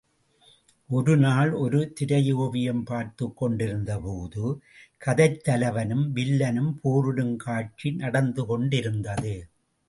ஒரு நாள் ஒரு திரையோவியம் பார்த்துக் கொண்டிருந்தபோது, கதைத் தலைவனும் வில்லனும் போரிடும் காட்சி நடந்துாெண்டிருந்தது.